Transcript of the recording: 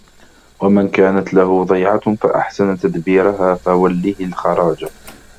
وَمَنْ كَانَتْ لَهُ ضَيْعَةٌ فَأَحْسَنَ تَدْبِيرِهَا فَوَلِّهِ الْخَرَاجَ